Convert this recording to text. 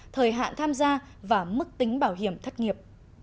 thời hạn tham gia và mức tính bảo hiểm thất nghiệp